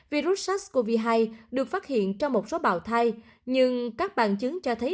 virus sars cov hai được phát hiện trong một số bào thai nhưng các bằng chứng cho thấy